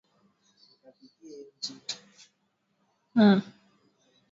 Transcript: Kwa kutunza virutubisho chemsha viazi na maganda